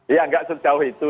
ya tidak sejauh itu